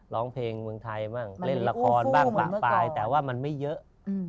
ร้องเพลงเมืองไทยบ้างเล่นละครบ้างปะปลายแต่ว่ามันไม่เยอะ